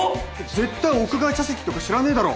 絶対屋外茶席とか知らねえだろ？